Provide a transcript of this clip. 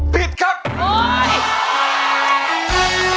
ผิดครับ